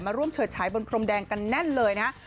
ร่วมเฉิดฉายบนพรมแดงกันแน่นเลยนะ